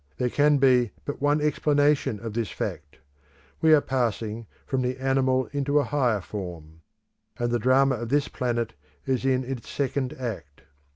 There can be but one explanation of this fact. We are passing from the animal into a higher form; and the drama of this planet is in its second act.